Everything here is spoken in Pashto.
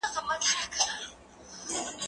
هغه څوک چي کتابونه ليکي پوهه زياتوي!!